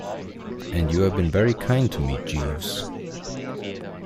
And you have been very kind to me, Jeeves.